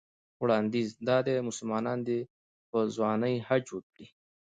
وړاندیز دا دی مسلمان دې په ځوانۍ حج وکړي.